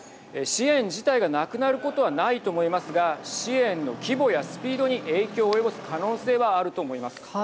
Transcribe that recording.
支援自体がなくなることはないと思いますが支援の規模やスピードに影響を及ぼす可能性はあると思います。